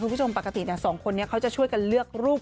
คุณผู้ชมปกติสองคนนี้เขาจะช่วยกันเลือกรูป